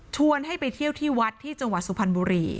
ให้ไปเที่ยวที่วัดที่จังหวัดสุพรรณบุรี